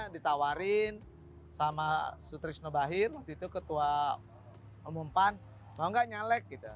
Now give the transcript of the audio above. ditawarin sama sutrisno bahir waktu itu ketua umum pan mau nggak nyalek gitu